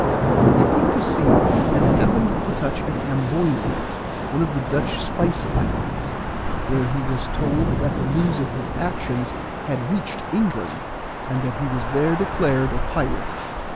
He put to sea and happened to touch at Amboyna, one of the Dutch spice islands, where he was told that the news of his actions had reached England, and that he was there declared a pirate.